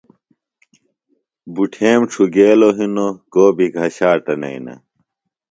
بُٹھیم ڇُھگیلوۡ ہِنوۡ کو بیۡ گھشاٹہ نئینہ۔